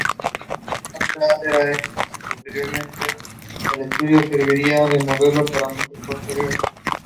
Manfredi previously served as rector of University of Naples.